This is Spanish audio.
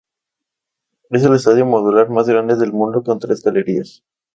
Es el estadio modular más grande del mundo con tres galerías.